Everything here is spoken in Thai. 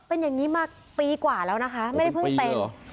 เป็นอย่างงี้มาปีกว่าแล้วนะคะไม่ได้เพิ่งเต็มเป็นปีเหรอ